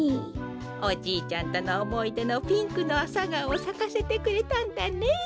おじいちゃんとのおもいでのピンクのアサガオをさかせてくれたんだね。